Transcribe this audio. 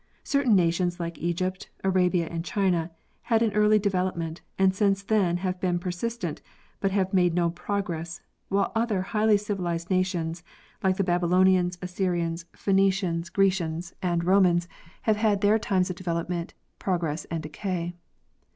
Certain nations like Egypt, Arabia, and China had an early development, and since then have been persistent, but have made no progress, while other highly civ ilized nations, like the Babylonians, Assyrians, Phenicians, 14. G. G. Hubbard— Geographic Progress of Civilization. Grecians and Romans, have had their times of development, progress and decay.